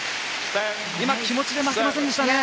今、気持ちで負けませんでしたね。